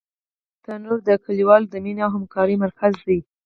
تنور د کلیوالو د مینې او همکارۍ مرکز دی